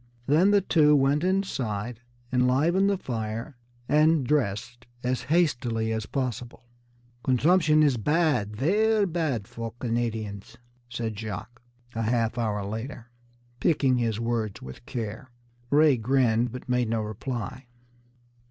Then the two went inside, enlivened the fire, and dressed as hastily as possible. "Consumption is bad, ver' bad for Canadians," said Jacques, a half hour later, picking his words with care. Ray grinned, but made no reply.